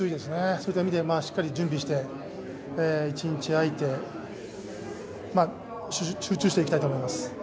そういった意味できちんと準備して、１日あいて集中していきたいと思います。